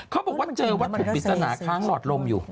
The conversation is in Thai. เขาบอกว่าเจอวัตถุปริศนาค้างหลอดลมอยู่